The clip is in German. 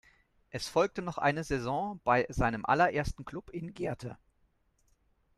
Es folgte noch eine Saison bei seinem allerersten Klub in Gerthe.